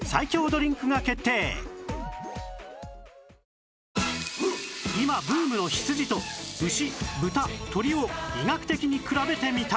さらに今ブームの羊と牛豚鶏を医学的に比べてみた